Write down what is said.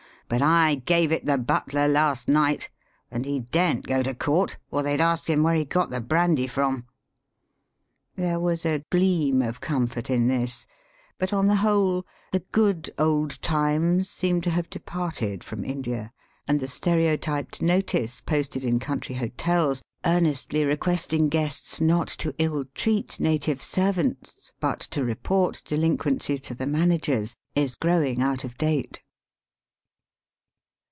But I gave it the butler last night ; and he daren't go to court, or they'd ask him where he got the brandy from." There was a gleam of comfort in this ; but, on the whole, the good old times seem to have departed from India, and the stereotyped notice posted in country hotels " earnestly requesting guests, not to ill treat native servants," but to report delinquencies to the managers, is growing out of date.